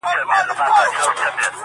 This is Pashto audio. چي مو وركړي ستا د سترگو سېپارو ته زړونه~